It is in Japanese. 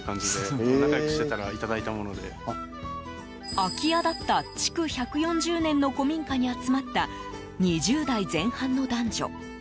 空き家だった築１４０年の古民家に集まった２０代前半の男女。